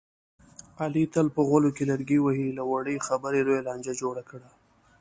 علي تل په غولو کې لرګي وهي، له وړې خبرې لویه لانجه جوړه کړي.